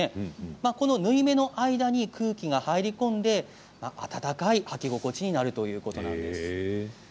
この縫い目の間に空気が入り込んで暖かい履き心地になるということなんです。